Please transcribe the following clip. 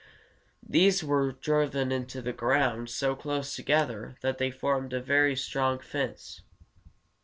These were driven into the ground so close together that they formed a very strong fence.